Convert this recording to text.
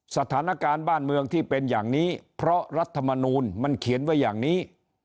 สถานการณ์บ้านเมืองที่เป็นอย่างนี้เพราะรัฐมนูลมันเขียนไว้อย่างนี้